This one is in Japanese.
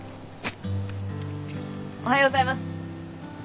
おはようございます。